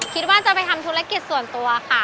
คิดว่าจะไปทำธุรกิจส่วนตัวค่ะ